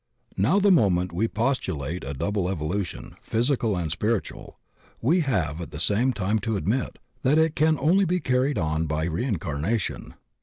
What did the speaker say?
Now the moment we postulate a double evolution, physical and spiritual, we have at the same time to admit that it can only be carried on by reincarnation.